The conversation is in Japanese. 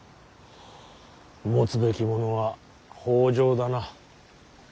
持つべきものは北条だな。